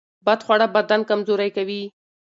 بد خواړه بدن کمزوری کوي.